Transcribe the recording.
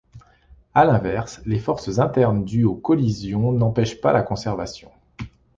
À l'inverse, les forces internes dues aux collisions n'empêchent pas la conservation.